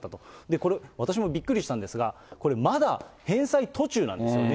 これ、私もびっくりしたんですが、まだ、返済途中なんですよね。